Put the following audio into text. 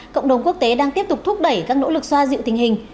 cộng đồng quốc tế đang tiếp tục thúc đẩy các nỗ lực xoa dịu tình hình